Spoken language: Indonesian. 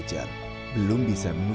di rumah sakit